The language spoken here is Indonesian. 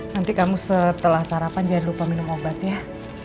nanti kamu setelah sarapan jangan lupa minum obat ya